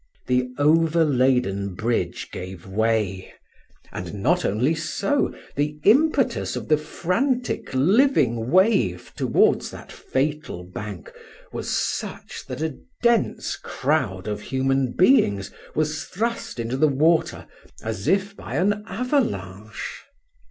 The overladen bridge gave way, and not only so, the impetus of the frantic living wave towards that fatal bank was such that a dense crowd of human beings was thrust into the water as if by an avalanche.